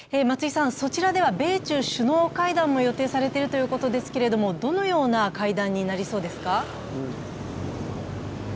そちらでは米中首脳会談も予定されているということですけれども、どのような会談になりそうですか？